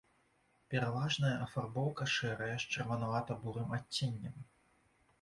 Пераважная афарбоўка шэрая з чырванавата-бурым адценнем.